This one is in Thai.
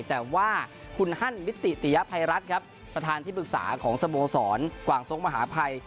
แต่ว่าคุณฮั่นมิติติยภัยรัฐครับประธานที่ปรึกษาของสโมสรกว่างทรงมหาภัย